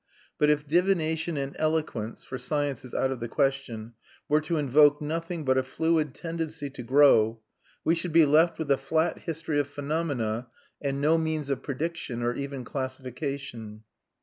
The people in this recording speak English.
But if divination and eloquence for science is out of the question were to invoke nothing but a fluid tendency to grow, we should be left with a flat history of phenomena and no means of prediction or even classification.